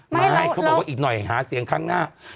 ไม่เขาบอกว่าอีกหน่อยหาเสียงข้างหน้า